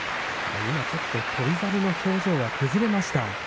今ちょっと翔猿の表情が崩れました。